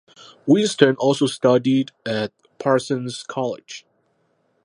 Winston also studied at Parsons College.